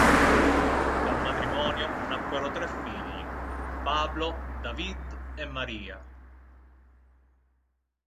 Dal matrimonio nacquero tre figli: Pablo, David e María.